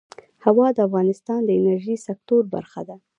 هوا د افغانستان د انرژۍ سکتور برخه ده.